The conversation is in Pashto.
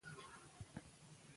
ترانه یې لا تر خوله نه وه وتلې